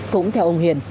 cũng theo ông hiền